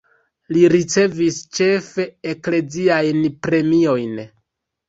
Li ricevis ĉefe ekleziajn premiojn.